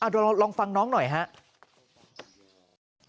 ดูลองฟังน้องหน่อยครับ